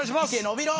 伸びろ！